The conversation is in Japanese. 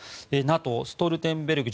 ＮＡＴＯのストルテンベルグ